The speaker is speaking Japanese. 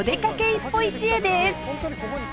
一歩一会です